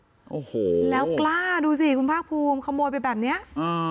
โอ้โหแล้วกล้าดูสิคุณภาคภูมิขโมยไปแบบเนี้ยอ่า